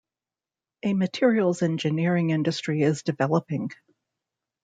A materials engineering industry is developing.